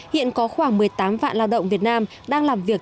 hiện có khoảng một mươi tám vạn lao động việt nam đang làm việc